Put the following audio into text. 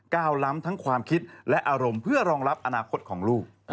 ล้ำทั้งความคิดและอารมณ์เพื่อรองรับอนาคตของลูก